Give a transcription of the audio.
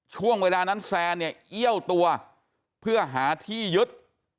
ช่วงเวลานั้นแซนเนี่ยเอี้ยวตัวเพื่อหาที่ยึด